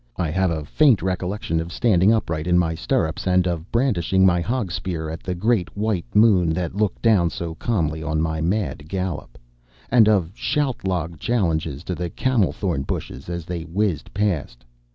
I have a faint recollection of standing upright in my stirrups, and of brandishing my hog spear at the great white Moon that looked down so calmly on my mad gallop; and of shout log challenges to the camel thorn bushes as they whizzed past.